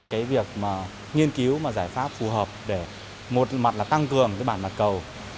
cái việc mà nghiên cứu mà giải pháp phù hợp để một mặt là tăng cường cái bản mặt cầu